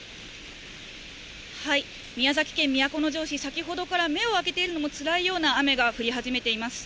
宮崎県都城市、先ほどから目を開けているのもつらいような雨が降り始めています。